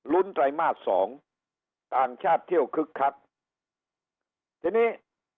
ไตรมาสสองต่างชาติเที่ยวคึกคักทีนี้